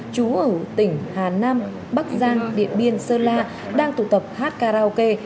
chú ở tỉnh hà nam bắc giang điện biên sơn la đang tụ tập hát karaoke